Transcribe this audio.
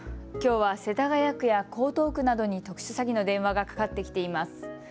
きょうは世田谷区や江東区などに特殊詐欺の電話がかかってきています。